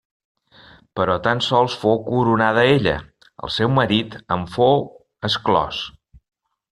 Però tan sols fou coronada ella, el seu marit en fou exclòs.